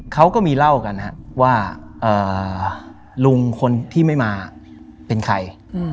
เขาก็มีเล่ากันว่าลุงคนที่ไม่มาเป็นใคร